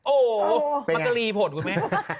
โอ้โฮมะกะลี่ผลวิ่งไม่